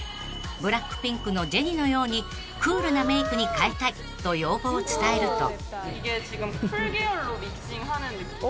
［ＢＬＡＣＫＰＩＮＫのジェニのようにクールなメイクに変えたいと要望を伝えると］